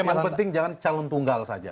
yang paling penting jangan calon tunggal saja